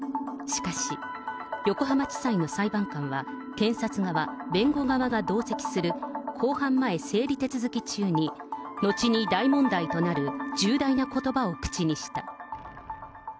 しかし、横浜地裁の裁判官は検察側、弁護側が同席する、公判前整理手続き中に、後に大問題となる重大なことばを口にした。